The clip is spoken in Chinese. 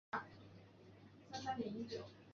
他居住在加利福尼亚州圣塔芭芭拉。